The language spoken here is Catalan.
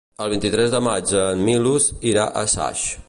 El vint-i-tres de maig en Milos irà a Saix.